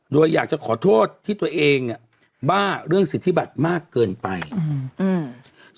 โดยอยากจะขอโทษที่ตัวเองเนี้ยบ้าเรื่องสิทธิบัตรมากเกินไปอืมอืม